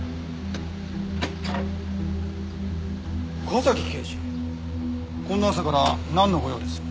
岡崎警視こんな朝からなんのご用です？